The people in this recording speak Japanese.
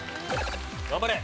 頑張れ。